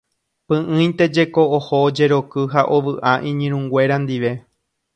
Py'ỹinte jeko oho ojeroky ha ovy'a iñirũnguéra ndive.